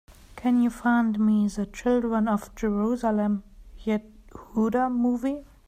Can you find me the Children of Jerusalem: Yehuda movie?